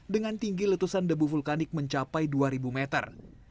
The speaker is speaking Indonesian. dengan tinggi letusan debu vulkanik mencapai dua ribu meter